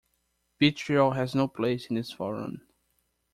Vitriol has no place in this forum.